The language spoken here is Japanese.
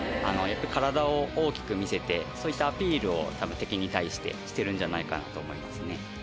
体を大きく見せてそういったアピールを多分敵に対してしてるんじゃないかなと思いますね。